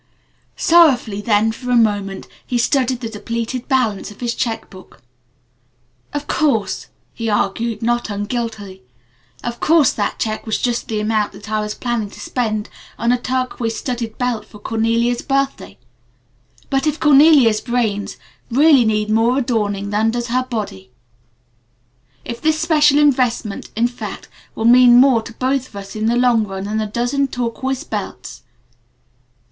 Sorrowfully then for a moment he studied the depleted balance in his check book. "Of course" he argued, not unguiltily, "Of course that check was just the amount that I was planning to spend on a turquoise studded belt for Cornelia's birthday; but if Cornelia's brains really need more adorning than does her body if this special investment, in fact, will mean more to both of us in the long run than a dozen turquoise belts